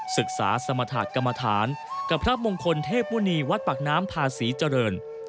ศึกษาสมธาตุกรรมฐานกับพระมงคลเทพมุณีวัดปากน้ำพาศรีเจริญ